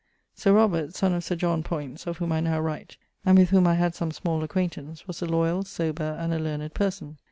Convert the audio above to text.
Sir Robert, son of Sir John, Poyntz of whom I now write, and with whom I had some small acquaintance, was a loyall, sober, and a learned person.